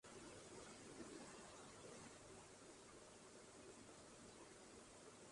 Her songs have been performed by indie musician Chan Marshall.